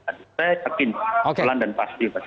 saya yakin pelan dan pasti pasti